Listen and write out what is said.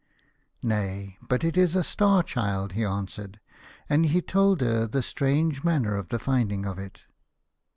" Nay, but it is a Star Child," he answered ; and he told her the strange manner of the finding of it.